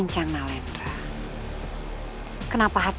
inukah akan mengganggu tayu sama sama kamu